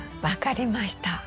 分かりました。